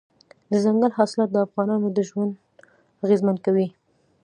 دځنګل حاصلات د افغانانو ژوند اغېزمن کوي.